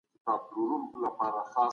مال چي په حلاله طريقه ګټل سوی وي، پاک دی.